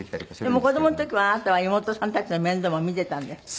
でも子どもの時はあなたは妹さんたちの面倒も見てたんですって？